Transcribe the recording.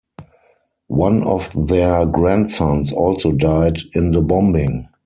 One of their grandsons also died in the bombing.